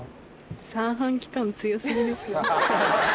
三半規管強すぎですよ。